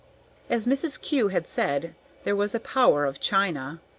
As Mrs. Kew had said, there was "a power of china."